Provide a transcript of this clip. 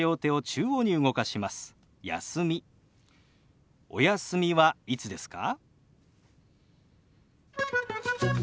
次のお休みはいつですか？